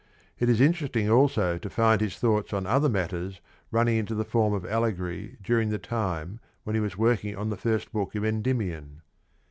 It is interesting also to find his thoughts on other matters running into the form of allegory during the time when he was working on the first book of Endyrnion.